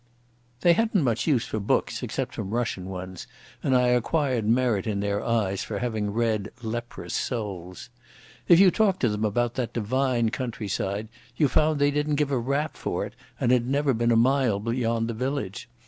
They hadn't much use for books, except some Russian ones, and I acquired merit in their eyes for having read Leprous Souls. If you talked to them about that divine countryside, you found they didn't give a rap for it and had never been a mile beyond the village.